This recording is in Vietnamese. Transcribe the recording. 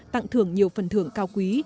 tặng thưởng nhiều phần thưởng cao quý